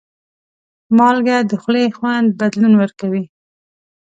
مالګه د خولې خوند بدلون ورکوي.